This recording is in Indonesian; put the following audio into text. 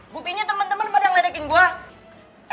gupinya temen temen pada yang ledakin gue